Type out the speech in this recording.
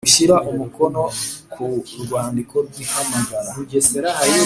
gushyira umukono ku rwandiko rw ihamagara